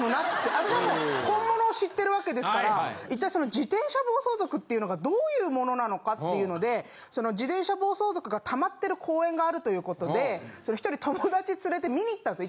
あたしはもう本物を知ってるわけですから一体その自転車暴走族っていうのがどういうものなのかっていうので自転車暴走族がたまってる公園があるということで１人友達連れて見に行ったんですよ。